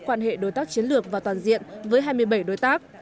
quan hệ đối tác chiến lược và toàn diện với hai mươi bảy đối tác